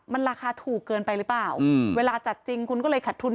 มันราคาถูกเกินไปหรือเปล่าเวลาจัดจริงคุณก็เลยขัดทุน